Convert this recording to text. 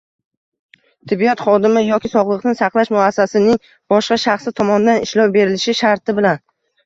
tibbiyot xodimi yoki sog‘liqni saqlash muassasasining boshqa shaxsi tomonidan ishlov berilishi sharti bilan;